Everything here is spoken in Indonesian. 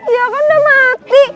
ya kan udah mati